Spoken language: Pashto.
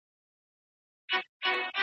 ملکیت د انسان لاسنیوی کوي.